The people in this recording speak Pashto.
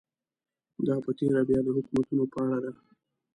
دا په تېره بیا د حکومتونو په اړه ده.